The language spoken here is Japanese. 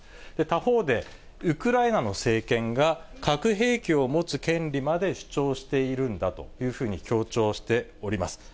他方で、ウクライナの政権が核兵器を持つ権利まで主張しているんだというふうに強調しております。